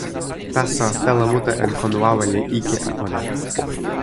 taso, telo mute en kon wawa li ike e ona.